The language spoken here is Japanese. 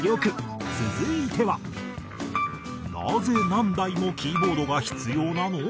続いてはなぜ何台もキーボードが必要なの？